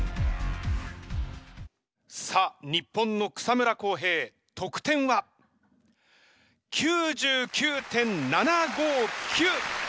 さあ日本の草村航平得点は？９９．７５９！